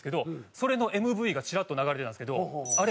それのＭＶがチラッと流れてたんですけどあれ